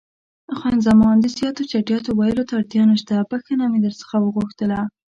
خان زمان: د زیاتو چټیاتو ویلو ته اړتیا نشته، بښنه مې در څخه وغوښتله.